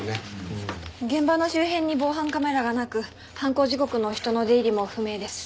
現場の周辺に防犯カメラがなく犯行時刻の人の出入りも不明です。